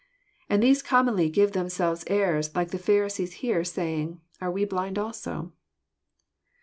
And these commonly give themselves airs like the Pharisees here, saying, ' Are we blind also?